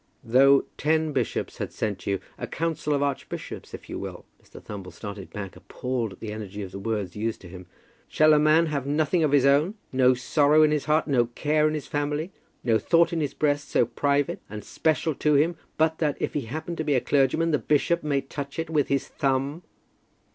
"Though ten bishops had sent me, a council of archbishops if you will!" Mr. Thumble started back, appalled at the energy of the words used to him. "Shall a man have nothing of his own; no sorrow in his heart, no care in his family, no thought in his breast so private and special to him, but that, if he happen to be a clergyman, the bishop may touch it with his thumb?"